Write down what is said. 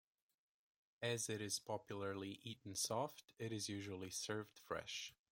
As it is popularly eaten soft, it is usually served fresh.